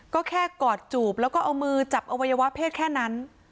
ก็แค่กอดจูบแล้วก็เอามือจับอวัยวะเพศแค่นั้น